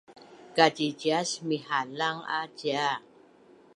Kacicias mihalanga cia